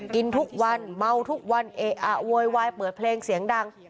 กินทุกวันเมาทุกวันเอะอะโวยวายเปิดเพลงเสียงดัง